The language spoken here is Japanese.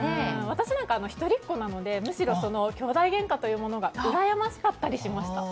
私なんか一人っ子なのでむしろ、きょうだいげんかがうらやましかったりしました。